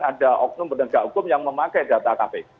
ada oknum penegak hukum yang memakai data kpk